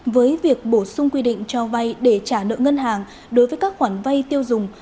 với việc bổ sung quy định cho vay để trả nợ ngân hàng đối với các khoản vay tiêu dùng